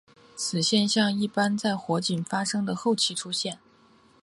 此现象一般在火警发生的后期出现。